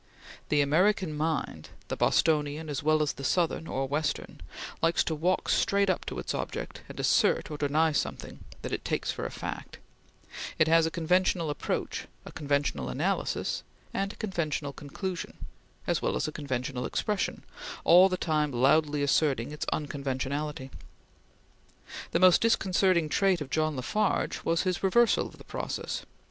The American mind the Bostonian as well as the Southern or Western likes to walk straight up to its object, and assert or deny something that it takes for a fact; it has a conventional approach, a conventional analysis, and a conventional conclusion, as well as a conventional expression, all the time loudly asserting its unconventionality. The most disconcerting trait of John La Farge was his reversal of the process.